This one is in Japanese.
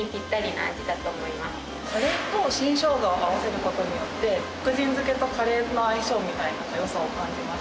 カレーと新生姜を合わせることによって福神漬けとカレーの相性みたいな良さを感じました。